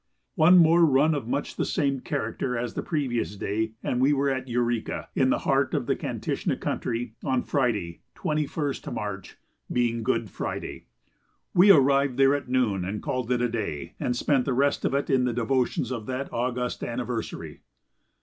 One more run, of much the same character as the previous day, and we were at Eureka, in the heart of the Kantishna country, on Friday, 21st March, being Good Friday. We arrived there at noon and "called it a day," and spent the rest of it in the devotions of that august anniversary.